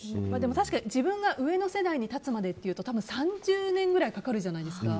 確かに自分が上の世代に立つまでというと多分、３０年ぐらいかかるじゃないですか。